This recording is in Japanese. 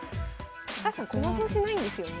高橋さん駒損しないんですよね。